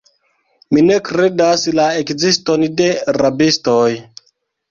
Mi ne kredas la ekziston de rabistoj.